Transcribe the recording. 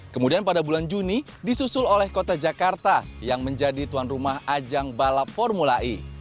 kemudian pada bulan juni disusul oleh kota jakarta yang menjadi tuan rumah ajang balap formula e